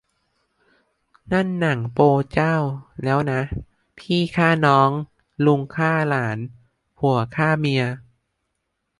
นั่นหนังโปรเจ้าแล้วนะ พี่ฆ่าน้อง ลุงฆ่าหลาน ผัวฆ่าเมีย